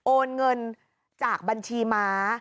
โอนเงินจากบัญชีม้า